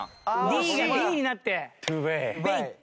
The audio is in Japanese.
「ｄ」が「ｂ」になって。